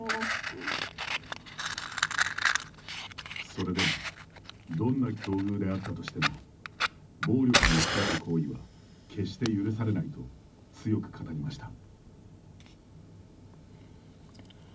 それでもどんな境遇であったとしても暴力に訴える行為は、決して許されないと強く語りました。